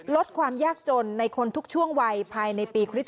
ลดความยากจนในคนทุกช่วงวัยภายในปีคริสต